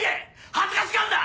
恥ずかしがんな！